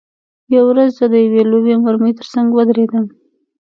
یوه ورځ زه د یوې لویې مرمۍ ترڅنګ ودرېدم